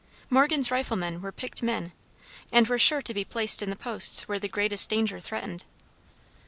Morgan's riflemen were picked men, and were sure to be placed in the posts where the greatest danger threatened.